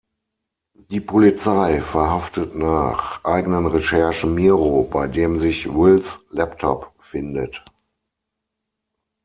Die Polizei verhaftet nach eigenen Recherchen Miro, bei dem sich Wills Laptop findet.